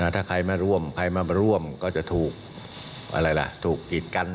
ถ้าใครมาร่วมใครมาร่วมก็จะถูกกีดกัน